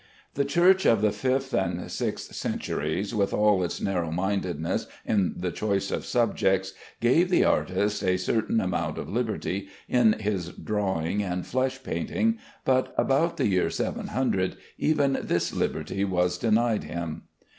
The Church of the fifth and sixth centuries, with all its narrow mindedness in the choice of subjects, gave the artist a certain amount of liberty in his drawing and flesh painting, but about the year 700 even this liberty was denied him.